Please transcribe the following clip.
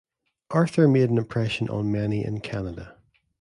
Arthur made an impression on many in Canada.